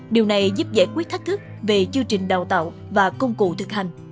điều này giúp giải quyết thách thức về chương trình đào tạo và công cụ thực hành